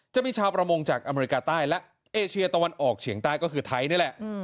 จะมีชาวประมงจากอเมริกาใต้และเอเชียตะวันออกเฉียงใต้ก็คือไทยนี่แหละ